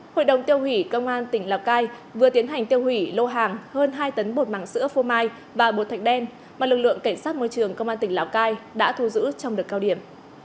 hội đồng tiêu hủy công an tỉnh lào cai vừa tiến hành tiêu hủy lô hàng hơn hai tấn bột màng sữa phô mai và bột thạch đen mà lực lượng cảnh sát môi trường công an tỉnh lào cai đã thu giữ trong đợt cao điểm